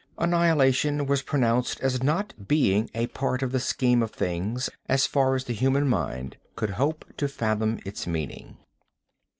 Annihilation was pronounced as not being a part of the scheme of things as far as the human mind could hope to fathom its meaning.